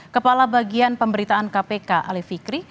kepala bagian pemberitaan kpk ali fikri